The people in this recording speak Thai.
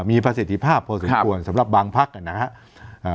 มีประสิทธิภาพพอสมควรครับสำหรับบางภักดิ์อ่ะนะฮะอ่า